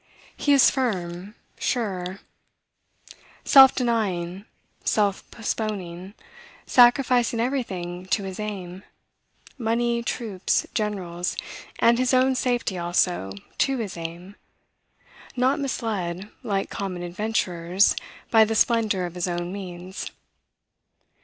He is firm, sure, self denying, self postponing, sacrificing everything to his aim, money, troops, generals, and his own safety also, to his aim; not misled, like common adventurers, by the splendor of his own means.